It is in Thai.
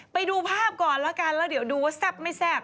ไปดูภาพก่อนแล้วกันแล้วเดี๋ยวดูว่าแซ่บไม่แซ่บ